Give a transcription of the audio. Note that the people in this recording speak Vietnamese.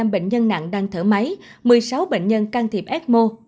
ba trăm bảy mươi năm bệnh nhân nặng đang thở máy một mươi sáu bệnh nhân can thiệp ecmo